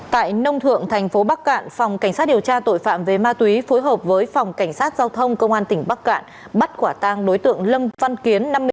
tại nông thượng thành phố bắc cạn phòng cảnh sát điều tra tội phạm về ma túy phối hợp với phòng cảnh sát giao thông công an tỉnh bắc cạn bắt quả tang đối tượng lâm văn kiến